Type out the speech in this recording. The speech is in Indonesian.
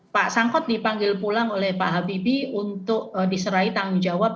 pak sangkot dipanggil pulang oleh pak habibie untuk diserai tanggung jawab